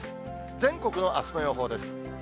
全国のあすの予報です。